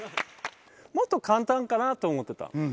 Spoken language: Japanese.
もっと簡単かなと思ってた。